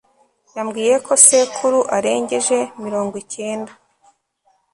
yambwiye ko sekuru arengeje mirongo cyenda